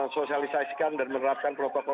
sosialisasikan dan menerapkan protokol